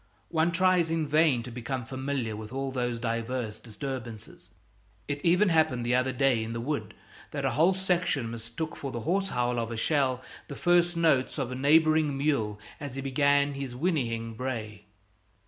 One tries in vain to become familiar with all those diverse disturbances. It even happened the other day in the wood that a whole section mistook for the hoarse howl of a shell the first notes of a neighboring mule as he began his whinnying bray.